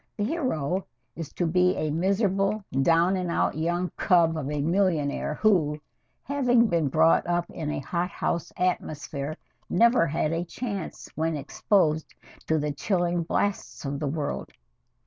The hero is to be a miserable, down and out young cub of a millionaire who, having been brought up in a hot house atmosphere, never had a chance when exposed to the chilling blasts of the world.